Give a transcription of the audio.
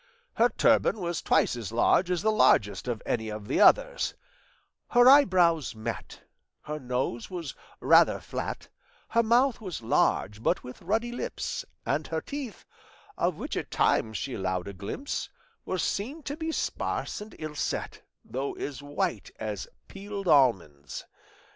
Her turban was twice as large as the largest of any of the others; her eyebrows met, her nose was rather flat, her mouth was large but with ruddy lips, and her teeth, of which at times she allowed a glimpse, were seen to be sparse and ill set, though as white as peeled almonds.